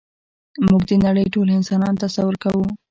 موږ د نړۍ ټول انسانان تصور کوو.